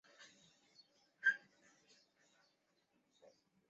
本游戏也是阿历克斯小子系列第一作。